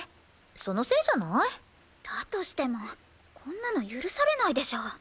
そのせいじゃない？だとしてもこんなの許されないでしょ。